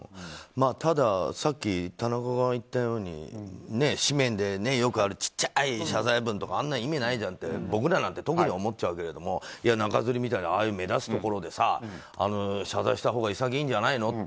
たださっき田中が言ったように誌面でよくある小さい謝罪文とかあんなの意味ないじゃんって僕らなんて特に思っちゃうわけども中づりみたいなああいう目立つところで謝罪したほうが潔いんじゃないのと。